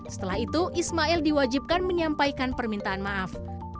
setelah itu ismail diwajibkan menyampaikan permintaan maaf